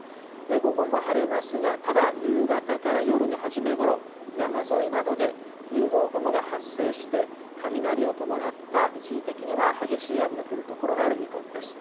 午後も晴れますが、ただ、夕方から夜の初めごろ、山沿いなどで入道雲が発生して、雷を伴った、一時的には激しい雨の降る所がある見込みです。